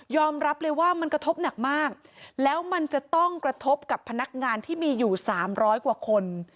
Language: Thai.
รับเลยว่ามันกระทบหนักมากแล้วมันจะต้องกระทบกับพนักงานที่มีอยู่๓๐๐กว่าคน